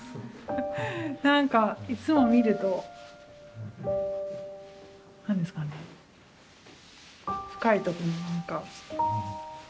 なんかいつも見ると何ですかね深いところになんか。